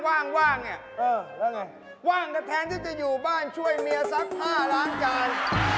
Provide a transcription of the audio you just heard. ว่างก็แทนที่จะอยู่บ้านช่วยเมียซัก๕ล้านจาน